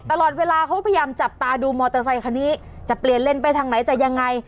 ตลอดเวลาเขาพยายามจับตาดูมอเตอร์ไซคันนี้จะเปลี่ยนเลนไปทางไหนจะยังไง